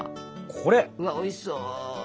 うわおいしそう。